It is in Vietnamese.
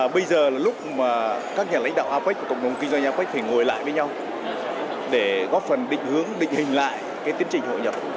bây giờ là lúc mà các nhà lãnh đạo apec và cộng đồng kinh doanh apec phải ngồi lại với nhau để góp phần định hướng định hình lại cái tiến trình hội nhập